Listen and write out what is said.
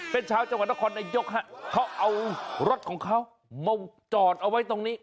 เป็นชาวจังหวัดนครนายกฮะเขาเอารถของเขามาจอดเอาไว้ตรงนี้